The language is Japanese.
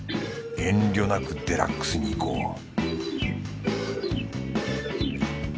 遠慮なくデラックスにいこう